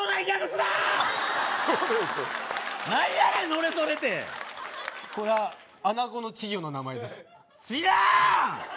「のれそれ」てこれはアナゴの稚魚の名前です知らーん！